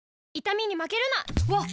わっ！